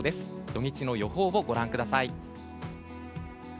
土日の予報をご覧ください。